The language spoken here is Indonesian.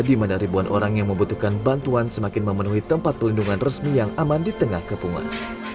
di mana ribuan orang yang membutuhkan bantuan semakin memenuhi tempat pelindungan resmi yang aman di tengah kepungan